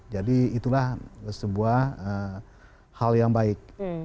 jadi itulah sebuah hal yang baik